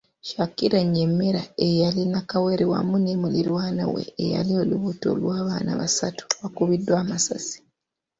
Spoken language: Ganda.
Shakira Nyemera, eyali Nnakawere wamu ne mulirwana we eyali olubuto lw’abaana basatu baakubibwa amasasi.